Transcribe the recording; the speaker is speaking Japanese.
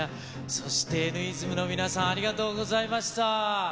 そしてＮ’ｉｓｍの皆さん、ありがとうございました。